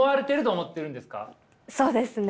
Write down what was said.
そうですね。